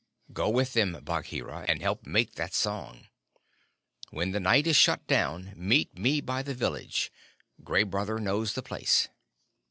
Go with them, Bagheera, and help make that song. When the night is shut down, meet me by the village Gray Brother knows the place."